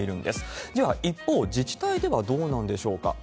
では、一方、自治体ではどうなんでしょうか。